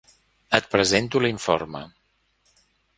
Et presento l'informe.